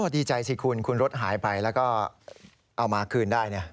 ดีใจสิคุณคุณรถหายไปแล้วก็เอามาคืนได้